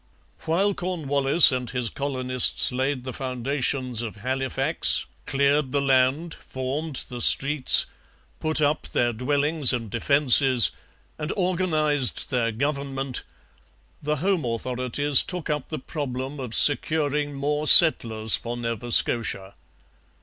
While Cornwallis and his colonists laid the foundations of Halifax, cleared the land, formed the streets, put up their dwellings and defences, and organized their government, the home authorities took up the problem of securing more settlers for Nova Scotia.